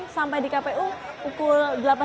sampai di kpu pukul delapan belas